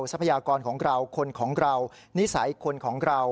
ทรัพยากรของเราคนของเรานิสัยคนของเรา